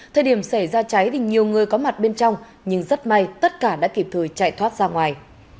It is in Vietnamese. thời điểm xảy ra cháy thì nhiều người có mặt bên trong nhưng rất may tất cả đã kịp thời chạy thoát ra ngoài